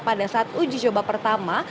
pada saat uji coba pertama